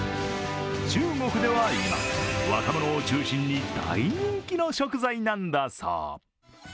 中国では今、若者を中心に、大人気の食材なんだそう。